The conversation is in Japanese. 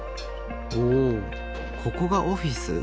おおここがオフィス？